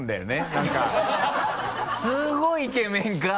何かすごいイケメンか。